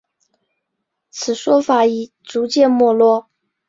此说法已经逐渐没落。